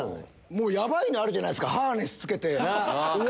ヤバいのあるじゃないっすかハーネス着けて。